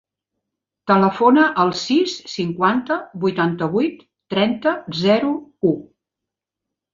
Telefona al sis, cinquanta, vuitanta-vuit, trenta, zero, u.